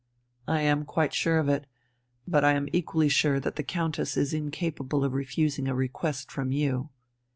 "I am quite sure of it. But I am equally sure that the Countess is incapable of refusing a request from you."